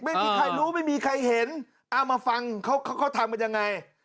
ไม่มีใครรู้ไม่มีใครเห็นเอามาฟังเขาเขาทำกันยังไง